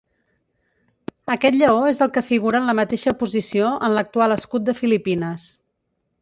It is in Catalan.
Aquest lleó és el que figura en la mateixa posició en l'actual escut de Filipines.